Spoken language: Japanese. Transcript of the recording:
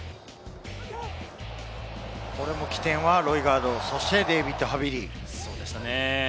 これも起点はロイガード、そしてデイヴィッド・ハヴィリ。